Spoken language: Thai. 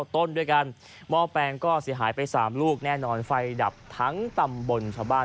ต้นด้วยกันหม้อแปลงก็เสียหายไป๓ลูกแน่นอนไฟดับทั้งตำบลชาวบ้าน